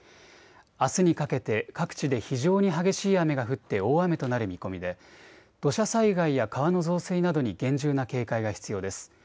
あすにかけて各地で非常に激しい雨が降って大雨となる見込みで土砂災害や川の増水などに厳重な警戒が必要です。